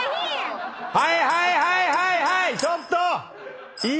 はいはいはいはいちょっと！